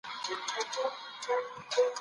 ما مخکې اوبه څښلې وې.